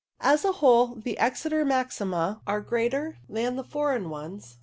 As a whole, the Exeter maxima are greater than the foreign ones.